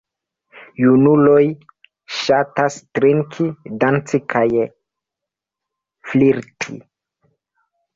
Junuloj ŝatas drinki, danci kaj flirti.